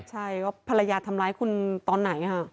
ใช่ว่าภรรยาทำร้ายคุณตอนไหน